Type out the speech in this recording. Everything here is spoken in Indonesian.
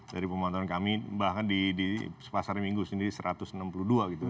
dari pemantauan kami bahkan di pasar minggu sendiri satu ratus enam puluh dua gitu